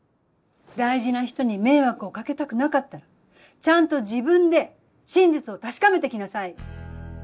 大事な人に迷惑をかけたくなかったらちゃんと自分で真実を確かめてきなさい。